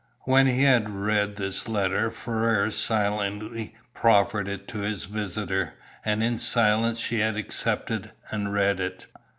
When he had read this letter Ferrars silently proffered it to his visitor, and in silence she accepted and read it.